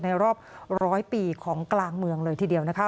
รอบร้อยปีของกลางเมืองเลยทีเดียวนะคะ